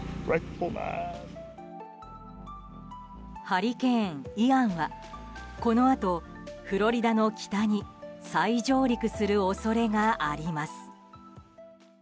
ハリケーン、イアンはこのあとフロリダの北に再上陸する恐れがあります。